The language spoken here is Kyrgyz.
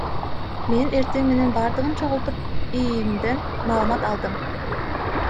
Мен эртең менен бардыгын чогултуп, ИИМден маалымат алдым.